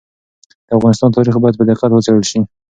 د افغانستان تاریخ باید په دقت وڅېړل سي.